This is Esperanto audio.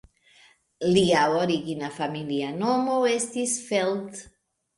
Lia origina familia nomo estis "Feld".